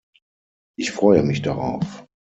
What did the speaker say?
Ich freue mich darauf.